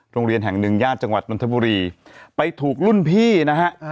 โรงเรียนแห่งหนึ่งย่านจังหวัดนทบุรีไปถูกรุ่นพี่นะฮะ